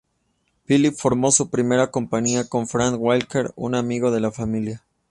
Philip formó su primera compañía con Frank Walker, un amigo de la familia.